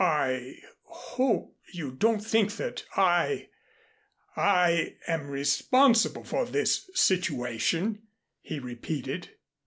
"I hope you don't think that I I am responsible for this situation," he repeated.